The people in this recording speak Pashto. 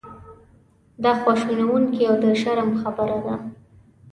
دا خواشینونکې او د شرم خبره ده.